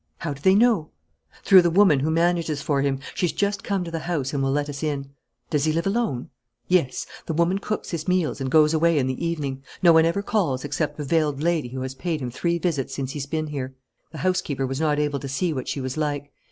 "How do they know?" "Through the woman who manages for him. She's just come to the house and will let us in." "Does he live alone?" "Yes, the woman cooks his meals and goes away in the evening. No one ever calls except a veiled lady who has paid him three visits since he's been here. The housekeeper was not able to see what she was like.